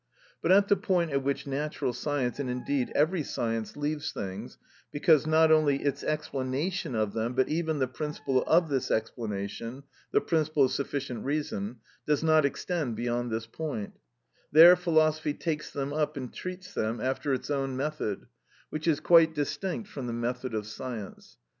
But at the point at which natural science, and indeed every science, leaves things, because not only its explanation of them, but even the principle of this explanation, the principle of sufficient reason, does not extend beyond this point; there philosophy takes them up and treats them after its own method, which is quite distinct from the method of science.